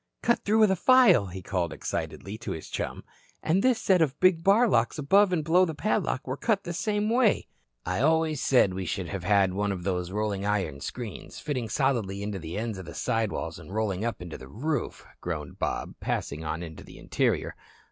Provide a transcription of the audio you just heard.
"Cut through with a file," he called excitedly to his chum. "And this set of big bar locks above and below the padlock were cut the same way." "I always said we should have had one of those rolling iron screens, fitting solidly into the ends of the side walls and rolling up into the roof," groaned Bob, passing on into the interior.